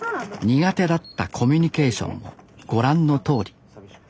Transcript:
苦手だったコミュニケーションもご覧のとおり。